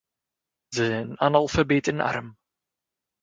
Ze zijn analfabeet en arm.